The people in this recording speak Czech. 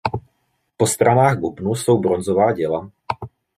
Po stranách bubnu jsou bronzová děla.